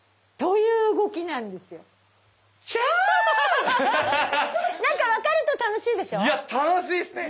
いや楽しいですね。